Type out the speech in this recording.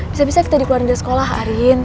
bisa bisa kita dikeluarin dari sekolah arin